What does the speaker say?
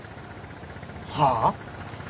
はあ！？